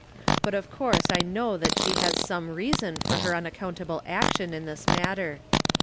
But of course I know that she has some reason for her unaccountable action in this matter.